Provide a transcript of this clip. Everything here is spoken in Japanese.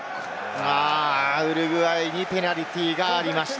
ウルグアイにペナルティーがありました。